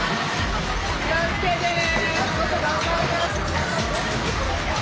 気をつけてね！